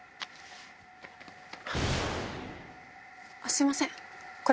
すいません。